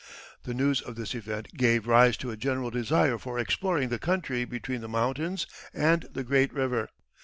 The news of this event gave rise to a general desire for exploring the country between the mountains and the great river.